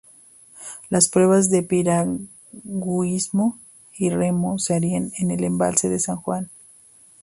Las pruebas de piragüismo y remo se harían en el embalse de San Juan.